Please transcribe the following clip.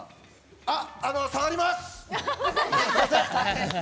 あの下がります！